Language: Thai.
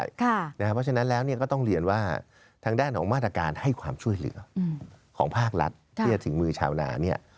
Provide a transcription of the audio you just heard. เพราะฉะนั้นแล้วก็ต้องเรียนว่าทางด้านของมาตรการให้ความช่วยเหลือของภาครัฐที่จะถึงมือชาวนาเนี่ย